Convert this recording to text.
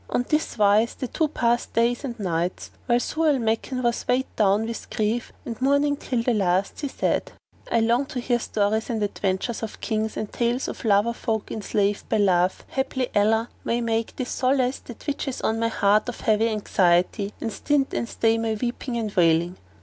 On this wise the two passed days and nights, while Zau al Makan was weighed down with grief and mourning till at last he said, "I long to hear stories and adventures of Kings and tales of lover folk enslaved by love; haply Allah may make this to solace that which is on my heart of heavy anxiety, and stint and stay my weeping and wailing."